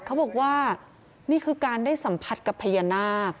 เขาบอกว่านี่คือการได้สัมผัสกับพญานาค